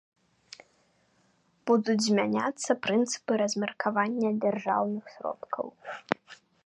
Будуць змяняцца прынцыпы размеркавання дзяржаўных сродкаў.